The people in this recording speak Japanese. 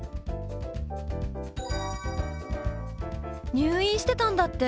入院してたんだって？